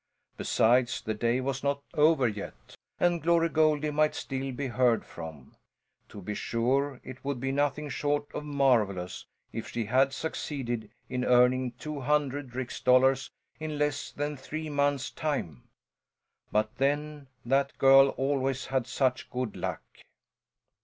Besides, the day was not over yet, and Glory Goldie might still be heard from. To be sure it would be nothing short of marvellous if she had succeeded in earning 200 rix dollars in less than three months' time: but then, that girl always had such good luck.